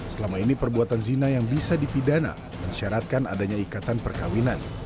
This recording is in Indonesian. selama ini perbuatan zina yang bisa dipidana mensyaratkan adanya ikatan perkawinan